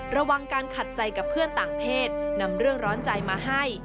ระวังการขัดใจกับเพื่อนต่างเพศนำเรื่องร้อนใจมาให้